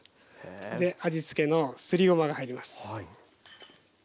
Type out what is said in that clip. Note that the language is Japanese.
味つけのすりごまが入ります。